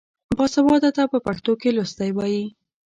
باسواده ته په پښتو کې لوستی وايي.